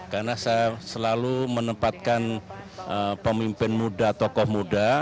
karena saya selalu menempatkan pemimpin muda tokoh muda